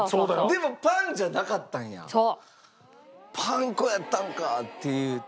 でもパンじゃなかったんやパン粉やったんか！っていう。